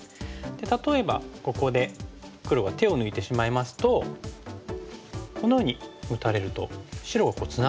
例えばここで黒が手を抜いてしまいますとこのように打たれると白がツナがりますよね。